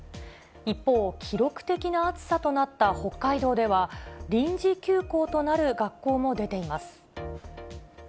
一方、記録的な暑さとなった北海道では、臨時休校となる学校も出ています。